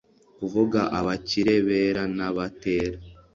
kuvuga abakire bera na batera